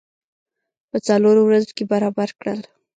په څلورو ورځو کې برابر کړل.